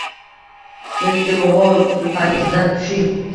Sizchi bobo supangizdan tushing